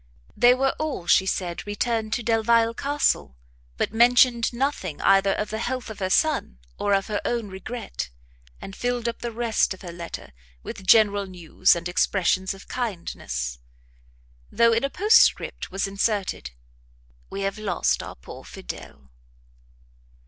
They were all, she said, returned to Delvile Castle, but mentioned nothing either of the health of her son, or of her own regret, and filled up the rest of her letter, with general news and expressions of kindness; though, in a postscript, was inserted, "We have lost our poor Fidel."